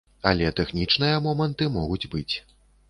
Але тэхнічныя моманты могуць быць.